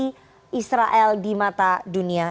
dan juga memperbaiki keamanan israel di mata dunia